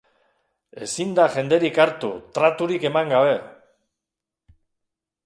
Ezin da jenderik hartu, traturik eman gabe!